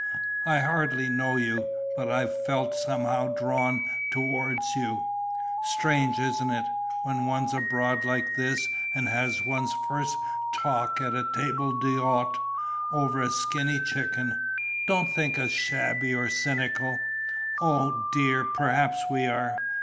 I hardly know you, but I've felt somehow drawn towards you. Strange, isn't it, when one's abroad like this and has one's first talk at a table d'hôte, over a skinny chicken? Don't think us shabby or cynical. Oh, dear, perhaps we are!